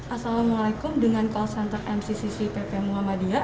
assalamualaikum dengan call center mcccc pp muhammadiyah